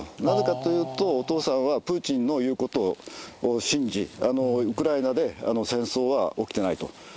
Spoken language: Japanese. なぜかというと、お父さんはプーチンの言うことを信じ、ウクライナで戦争は起きてないと。